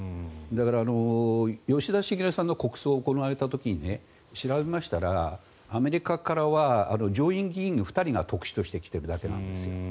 だから吉田茂さんの国葬が行われた時に調べましたらアメリカからは上院議員２人が特使として来ているだけなんです。